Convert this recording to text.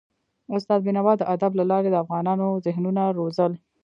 استاد بينوا د ادب له لارې د افغانونو ذهنونه روزل.